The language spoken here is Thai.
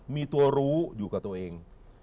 มีตัวรู้อยู่กับตัวเอง